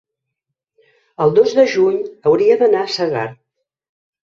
El dos de juny hauria d'anar a Segart.